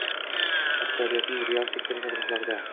iqtisodiyotning real sektori tarmoqlarida